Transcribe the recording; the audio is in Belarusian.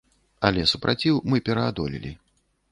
Але супраціў мы пераадолелі.